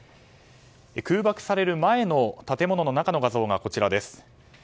空爆される前の建物の中の画像がこちらです。